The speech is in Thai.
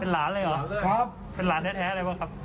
เป็นหลานเลยเหรอเป็นหลานแท้เลยหรือเปล่าครับ